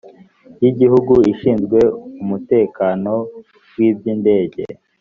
y igihugu ishinzwe umutekano w iby indege